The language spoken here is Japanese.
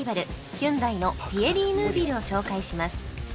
ヒュンダイのティエリー・ヌービルを紹介します